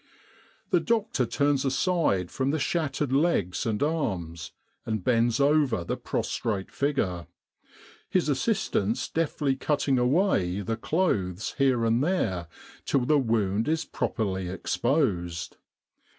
The doctor turns aside from the shattered legs and arms, and bends over the prostrate figure, his assistants deftly cutting away the clothes here and there, till the wound is properly exposed.